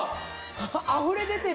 あふれ出てる！